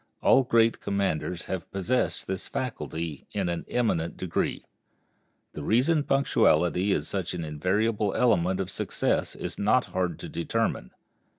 All great commanders have possessed this faculty in an eminent degree. The reason punctuality is such an invariable element of success is not hard to determine.